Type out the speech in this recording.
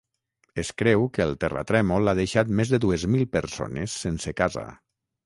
Es creu que el terratrèmol ha deixat més de dues mil persones sense casa.